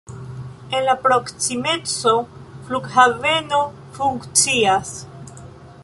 En la proksimeco flughaveno funkcias.